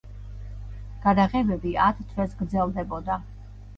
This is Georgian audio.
გადაღებები ათ თვეს გრძელდებოდა.